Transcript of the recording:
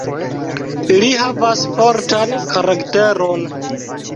Ili havas fortan karakteron.